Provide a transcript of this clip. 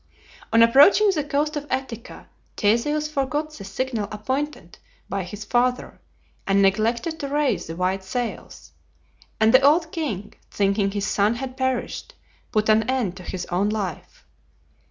On approaching the coast of Attica, Theseus forgot the signal appointed by his father, and neglected to raise the white sails, and the old king, thinking his son had perished, put an end to his own life.